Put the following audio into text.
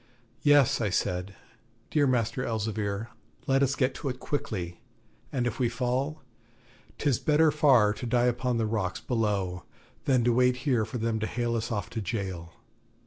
'Yes,' I said, 'dear Master Elzevir, let us get to it quickly; and if we fall, 'tis better far to die upon the rocks below than to wait here for them to hale us off to jail.'